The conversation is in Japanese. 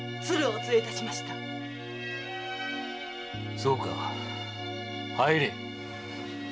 そうか入れ！